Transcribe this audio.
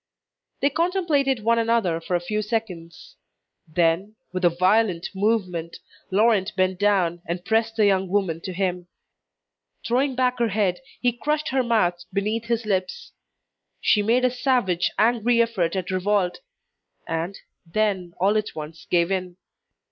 They contemplated one another for a few seconds. Then, with a violent movement, Laurent bent down, and pressed the young woman to him. Throwing back her head he crushed her mouth beneath his lips. She made a savage, angry effort at revolt, and, then all at once gave in.